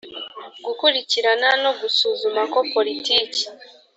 gukurikirana no gusuzuma ko politiki